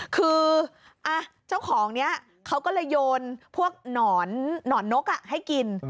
คือเจ้าของนี้เขาก็เลยโยนพวกหนอนนกให้กิน